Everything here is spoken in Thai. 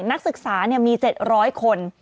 นักศึกษามี๗๐๐คน